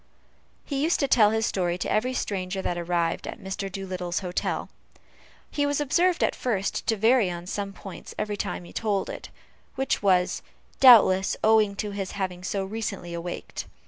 He used to tell his story to every stranger that arrived at Mr. Doolittle's hotel. He was observed, at first, to vary on some points every time he told it, which was, doubtless, owing to his having so recently awaked.